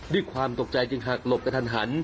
ด้วยความตกใจจึงหักหลบกระทันหัน